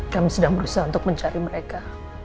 kami sedang berusaha untuk mencari mereka